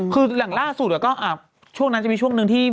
คือหลังล่าสู่เดี๋ยวก็ช่วงนั้นมีช่วงหนึ่งที่